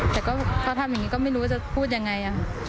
แต่ก็เขาทำอย่างนี้ก็ไม่รู้จะพูดยังไง